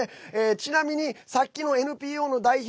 ちなみにさっきのＮＰＯの代表